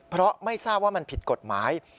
เพราะไม่ทราบว่ามันผิดกฎหมาย